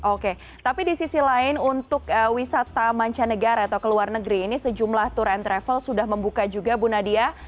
oke tapi di sisi lain untuk wisata mancanegara atau ke luar negeri ini sejumlah tour and travel sudah membuka juga bu nadia